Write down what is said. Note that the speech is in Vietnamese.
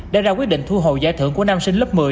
đã ra quyết định thu hồ giải thưởng của năm sinh lớp một mươi